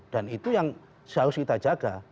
dan itu yang seharusnya kita jaga